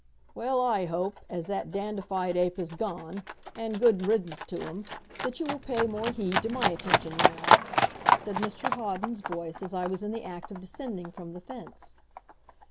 "Well I hope, as that dandified ape has gone and good riddance to him that you will pay more heed to my attentions now," said Mr Hawden's voice, as I was in the act of descending from the fence.